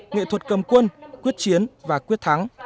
nghệ thuật cầm quân quyết chiến và quyết thắng